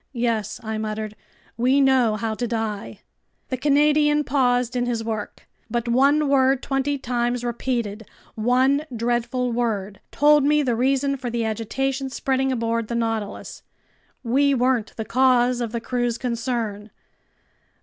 "Yes," I muttered, "we know how to die!" The Canadian paused in his work. But one word twenty times repeated, one dreadful word, told me the reason for the agitation spreading aboard the Nautilus. We weren't the cause of the crew's concern.